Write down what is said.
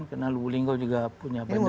karena lubuk linggo juga punya bandara